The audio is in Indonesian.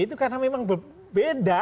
itu karena memang berbeda